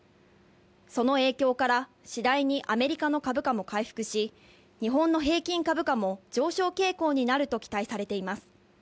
その影響から次第にアメリカの株価も回復し、日本の平均株価も上昇傾向になると期待されています。